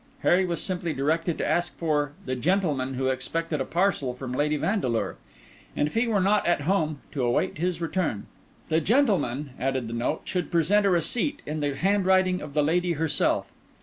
Harry was simply directed to ask for "the gentleman who expected a parcel from Lady Vandeleur," and if he were not at home to await his return. The gentleman, added the note, should present a receipt in the handwriting of the lady herself.